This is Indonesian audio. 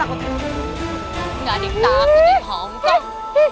enggak di takuti hongkong